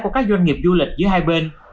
của các doanh nghiệp du lịch giữa hai bên